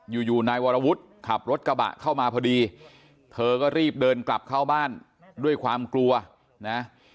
อยู่อยู่นายวรวุฒิขับรถกระบะเข้ามาพอดีเธอก็รีบเดินกลับเข้าบ้านด้วยความกลัวนะ